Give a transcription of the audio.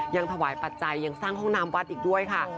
ยังถวายปัจจัยยังสร้างห้องน้ำวัดอีกด้วยค่ะ